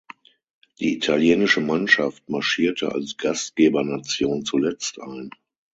Die italienische Mannschaft marschierte als Gastgebernation zuletzt ein.